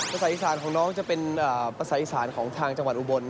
ภาษาอีสานของน้องจะเป็นภาษาอีสานของทางจังหวัดอุบล